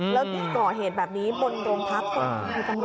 แล้วก็ก่อเหตุแบบนี้บนโรงพักษณ์ของคุณกังวล